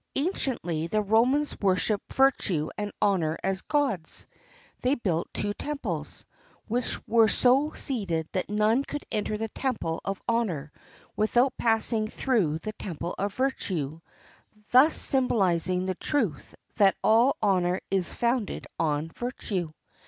Anciently the Romans worshiped virtue and honor as gods; they built two temples, which were so seated that none could enter the temple of honor without passing through the temple of virtue, thus symbolizing the truth that all honor is founded on virtue.